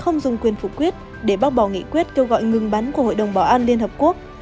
không dùng quyền phục quyết để bác bỏ nghị quyết kêu gọi ngừng bắn của hội đồng bảo an liên hợp quốc